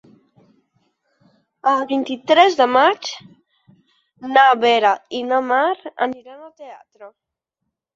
El vint-i-tres de maig na Vera i na Mar aniran al teatre.